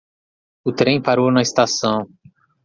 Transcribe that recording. O trem parou na estação.